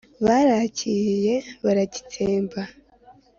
barakiriye baragitsembe